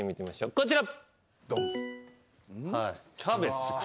こちら。